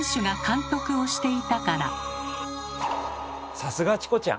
さすがチコちゃん！